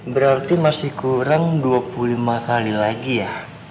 berarti masih kurang dua puluh lima kali lagi ya